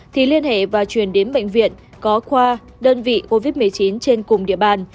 thì liên hệ và truyền đến bệnh viện có khoa đơn vị covid một mươi chín trên cùng địa bàn